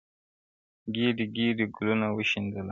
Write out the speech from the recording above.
ګېډۍ- ګېډۍ ګلونه وشيندله-